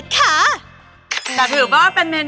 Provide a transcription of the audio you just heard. ฝั่งแม่บ้านทอบจึงได้คะแนนน้ำต้มยำใส่แซ่บก็รับไปเต็มถึง๙๖คะแนนค่ะ